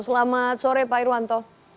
selamat sore pak irwanto